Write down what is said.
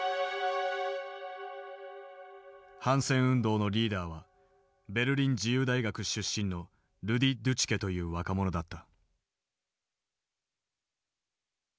反戦運動のリーダーはベルリン自由大学出身のルディ・ドゥチュケという若者だった。